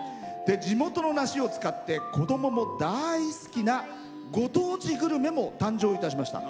地元の梨を使って子供も大好きなご当地グルメも誕生いたしました。